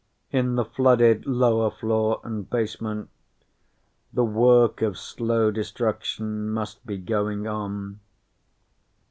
In the flooded lower floor and basement, the work of slow destruction must be going on.